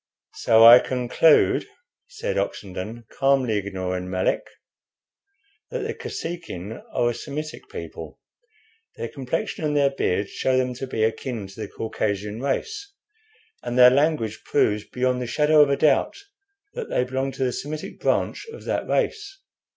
"So I conclude," said Oxenden, calmly, ignoring Melick, "that the Kosekin are a Semitic people. Their complexion and their beards show them to be akin to the Caucasian race, and their language proves beyond the shadow of a doubt that they belong to the Semitic branch of that race.